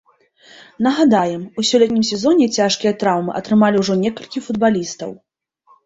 Нагадаем, у сёлетнім сезоне цяжкія траўмы атрымалі ўжо некалькі футбалістаў.